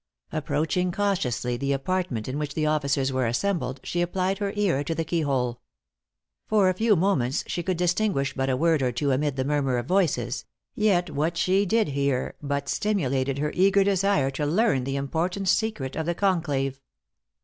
Approaching cautiously the apartment in which the officers were assembled, she applied her ear to the key hole. For a few moments she could distinguish but a word or two amid the murmur of voices; yet what she did hear but stimulated her eager desire to learn the important secret of the conclave.